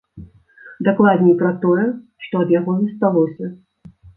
Дакладней пра тое, што ад яго засталося.